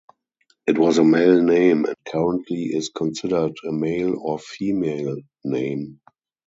It was a male name and currently is considered a male or female name.